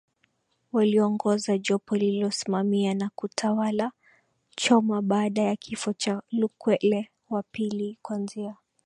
waliongoza jopo lililosimamia na kutawala Choma baada ya kifo cha Lukwele wa pili kuanzia